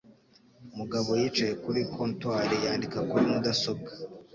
Mugabo yicaye kuri comptoir, yandika kuri mudasobwa.